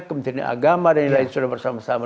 kementerian agama dan lain lain sudah bersama sama